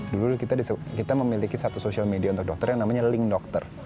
dulu kita memiliki satu social media untuk dokter yang namanya link dokter